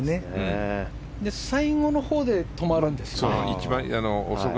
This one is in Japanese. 最後のほうで止まるんですよね。